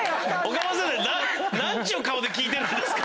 岡本先生何ちゅう顔で聞いてるんですか！